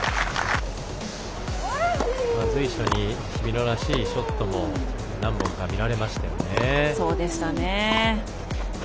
随所に日比野らしいショットも何本か見られましたね。